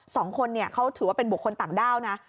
สองคนเนี่ยเขาถือว่าเป็นบุคคลต่างด้าวนะ